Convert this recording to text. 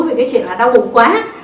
nói chuyện là đau bụng quá